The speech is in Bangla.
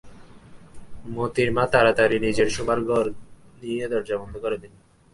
মোতির মা তাড়াতাড়ি নিজের শোবার ঘরে নিয়ে দরজা বন্ধ করে দিলে।